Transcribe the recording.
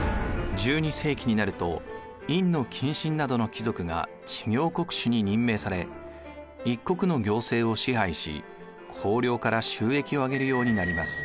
１２世紀になると院近臣などの貴族が知行国主に任命され一国の行政を支配し公領から収益をあげるようになります。